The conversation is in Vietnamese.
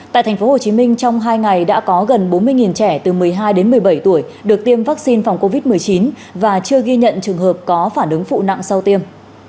tại tp hcm trong hai ngày đã có gần bốn mươi trẻ từ một mươi hai đến một mươi bảy tuổi được tiêm vaccine phòng covid một mươi chín và chưa ghi nhận trường hợp có phản ứng phụ nặng sau tiêm